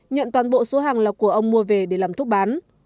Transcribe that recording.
nhận toàn bộ số hàng lọc của ông mua về để làm thuốc bán